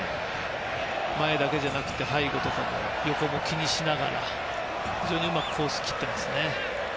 前だけじゃなく、背後とか横も気にしながら非常にうまくコースを切っていますね。